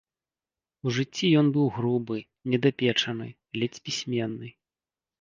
У жыцці ён быў грубы, недапечаны, ледзь пісьменны.